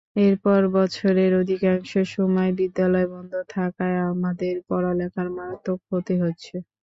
এরপর বছরের অধিকাংশ সময় বিদ্যালয় বন্ধ থাকায় আমাদের পড়ালেখার মারাত্মক ক্ষতি হচ্ছে।